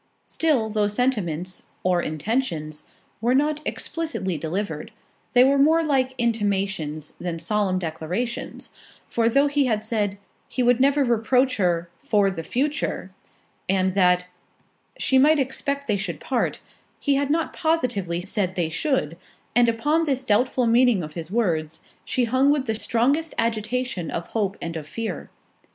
Still those sentiments, or intentions, were not explicitly delivered; they were more like intimations, than solemn declarations—for though he had said, "He would never reproach her for the future," and that "She might expect they should part," he had not positively said they should; and upon this doubtful meaning of his words, she hung with the strongest agitation of hope and of fear.